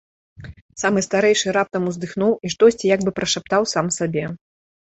Самы старэйшы раптам уздыхнуў і штосьці як бы прашаптаў сам сабе.